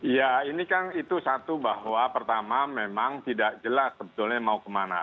ya ini kan itu satu bahwa pertama memang tidak jelas sebetulnya mau kemana